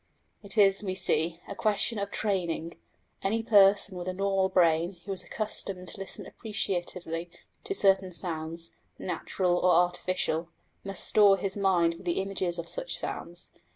It is, we see, a question of training: any person with a normal brain who is accustomed to listen appreciatively to certain sounds, natural or artificial, must store his mind with the images of such sounds.